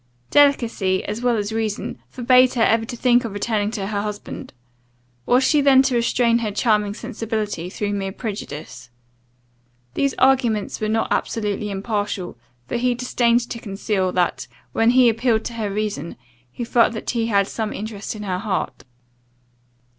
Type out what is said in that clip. Delicacy, as well as reason, forbade her ever to think of returning to her husband: was she then to restrain her charming sensibility through mere prejudice? These arguments were not absolutely impartial, for he disdained to conceal, that, when he appealed to her reason, he felt that he had some interest in her heart.